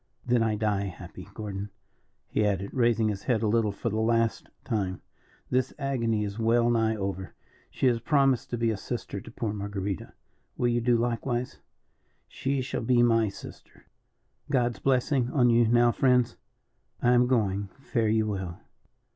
"Then I die happy. Gordon," he added, raising his head a little for the last time, "this agony is well nigh over. She has promised to be a sister to poor Marguerita; will you do likewise?" "She shall be my sister." "God's blessing on you now friends. I am going, fare you well.